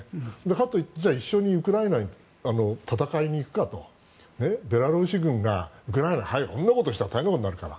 かといってじゃあ一緒にウクライナに戦いに行くかとベラルーシ軍がウクライナに入ったりしたら大変なことになるから。